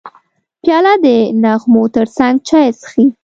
پیاله د نغمو ترڅنګ چای څښي.